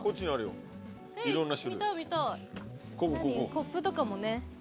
コップとかもね。